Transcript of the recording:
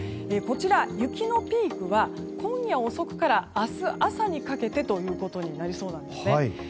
こちら、雪のピークは今夜遅くから明日朝にかけてとなりそうなんです。